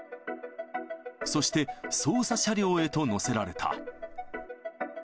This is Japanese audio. そして捜査車両へと乗せられた。